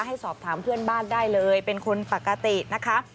สอบถามเพื่อนบ้านได้เลยเป็นคนปกตินะคะ